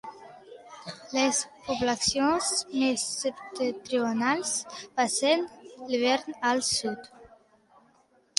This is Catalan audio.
Les poblacions més septentrionals passen l'hivern al sud.